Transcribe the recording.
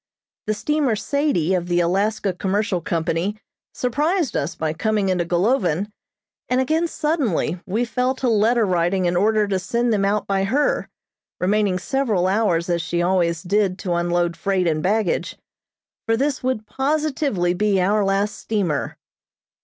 The steamer "Sadie" of the Alaska Commercial Company surprised us by coming into Golovin, and again suddenly we fell to letter writing in order to send them out by her, remaining several hours as she always did to unload freight and baggage, for this would positively be our last steamer.